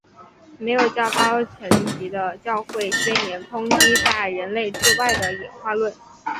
没有较高层级的教会宣言抨击在人类之外的演化论。